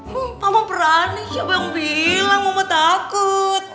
mama berani siapa yang bilang mama takut